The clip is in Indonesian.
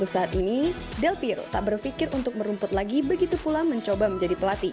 saya tidak berpikir untuk merumput lagi begitu pula mencoba menjadi pelatih